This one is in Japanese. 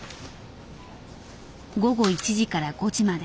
午後１時５時まで。